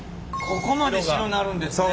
ここまで白なるんですね。